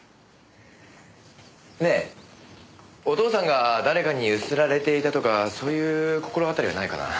ねえお父さんが誰かに強請られていたとかそういう心当たりはないかな？